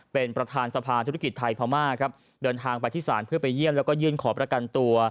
เป็นประธานสภาธุรกิจไทยพม่าครับเดินทางไปที่ศาลเพื่อไปเยี่ยมแล้วก็ยื่นขอประกันตัว